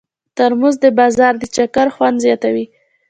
ترموز د بازار د چکر خوند زیاتوي.